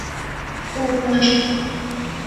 但这两个称号并非一体的。